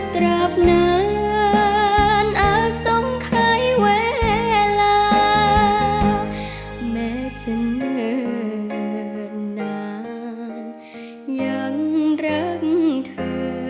ตราบนานอาทรงเคยเวลาแม้จะเนิ่นนานยังรักเธอ